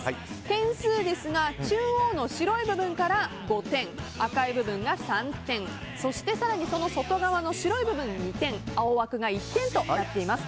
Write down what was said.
点数ですが中央の白い部分から５点赤い部分が３点そして更にその外側の白い部分は２点青枠は１点となっています。